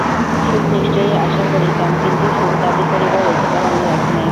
সুখ নিশ্চয়ই আশা করিতাম, কিন্তু সুখ দাবি করিবার অধিকার আমি রাখি নাই।